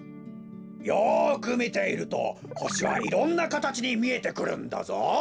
よくみているとほしはいろんなかたちにみえてくるんだぞ。